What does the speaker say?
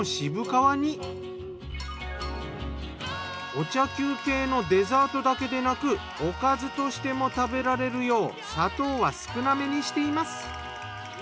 お茶休憩のデザートだけでなくおかずとしても食べられるよう砂糖は少なめにしています。